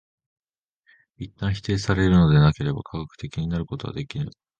一旦否定されるのでなければ科学的になることはできぬ。